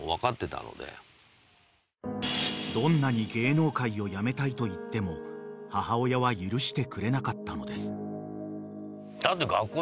［どんなに芸能界を辞めたいと言っても母親は許してくれなかったのです］